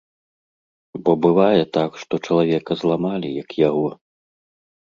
Бо бывае так, што чалавека зламалі, як яго.